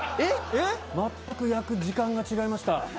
全く焼く時間が違いました。